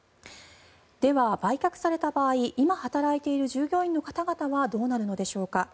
では、売却された場合今、働いている従業員の方々はどうなるのでしょうか。